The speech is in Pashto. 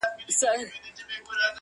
څوک پاچا وي، څوک مُلا وي، څوک کلال دی٫